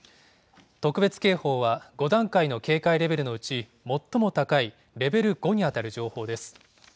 特別警報は、５段階の警戒レベルのうち最も高いレベル５に当たる情報です。